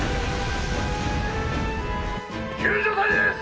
救助隊です！